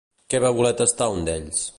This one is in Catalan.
Què va voler tastar un d'ells?